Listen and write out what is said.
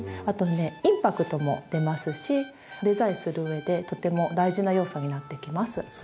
あとねインパクトも出ますしデザインするうえでとても大事な要素になってきます。